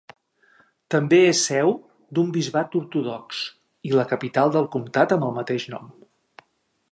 També és seu d'un bisbat ortodox i la capital del comtat amb el mateix nom.